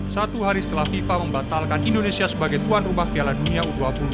satu hari setelah fifa membatalkan indonesia sebagai tuan rumah piala dunia u dua puluh